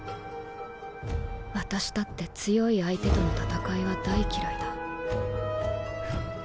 私だって強い相手との戦いは大嫌いだ。